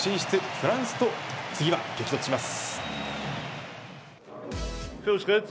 フランスと次は激突します。